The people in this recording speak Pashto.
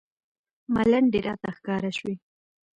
ملنډې راته ښکاره شوې.